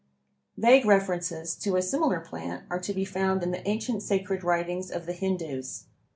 Vague references to a similar plant are to be found in the ancient sacred writings of the Hindoos.